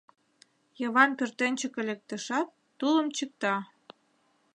Йыван пӧртӧнчыкӧ лектешат, тулым чӱкта.